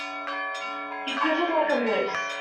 He quivered like a mousse.